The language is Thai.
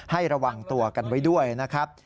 ให้ระวังตัวกันไว้ด้วยนะครับ